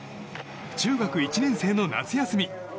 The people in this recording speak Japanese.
中学１年生の夏休み。